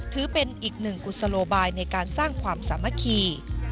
ถือเป็นอีกหนึ่งกุศโลบายในการสร้างความสามัคคี